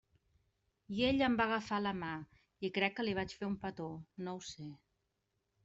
I ell em va agafar la mà i crec que li vaig fer un petó, no ho sé.